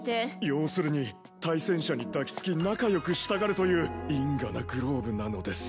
要するに対戦者に抱き付き仲良くしたがるという因果なグローブなのです。